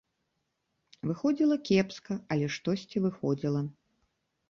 Выходзіла кепска, але штосьці выходзіла.